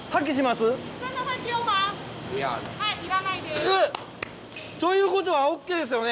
えっということはＯＫですよね？